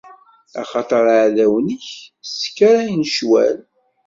Axaṭer iɛdawen-ik sskarayen ccwal.